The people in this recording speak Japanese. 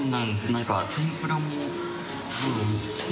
何か天ぷらもすごいおいしくて。